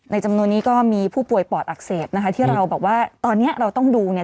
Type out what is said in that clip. จำนวนนี้ก็มีผู้ป่วยปอดอักเสบนะคะที่เราบอกว่าตอนนี้เราต้องดูเนี่ย